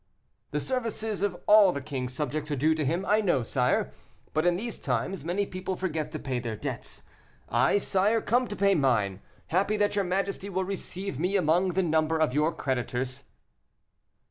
"The services of all the king's subjects are due to him, I know, sire; but in these times many people forget to pay their debts. I, sire, come to pay mine, happy that your majesty will receive me among the number of your creditors."